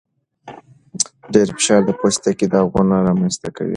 ډېر فشار د پوستکي داغونه رامنځته کوي.